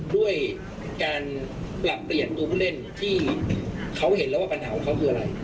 ด้วยการปรับเปลี่ยนตัวผู้เล่นที่เขาเห็นแล้วว่าปัญหาของเขาคืออะไร